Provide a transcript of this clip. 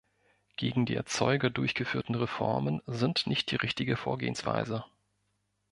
Gegen die Erzeuger durchgeführte Reformen sind nicht die richtige Vorgehensweise.